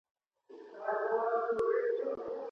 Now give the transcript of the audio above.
طلاق ئې نه واقع کيږي.